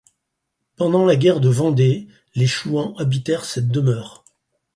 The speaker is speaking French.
Pendant la guerre de Vendée, les Chouans habiterent cette demeure.